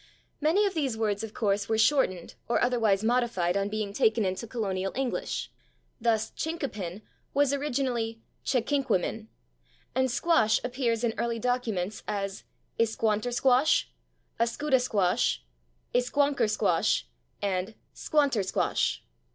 Many of these words, of course, were shortened [Pg041] or otherwise modified on being taken into colonial English. Thus /chinkapin/ was originally /checkinqumin/, and /squash/ appears in early documents as /isquontersquash/, /askutasquash/, /isquonkersquash/ and /squantersquash